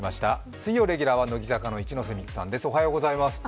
水曜レギュラーは乃木坂の一ノ瀬美空さんです。